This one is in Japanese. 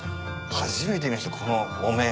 初めて見ましたこのお面。